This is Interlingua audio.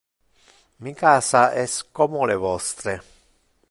Mi casa es como le vostre.